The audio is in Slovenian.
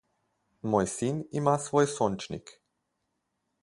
Moj sin ima svoj sončnik.